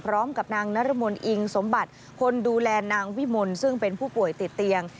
พร้อมกับนางนรมนอิงสมบัติคนดูแลนางวิมลซึ่งเป็นผู้ป่วยติดเตียง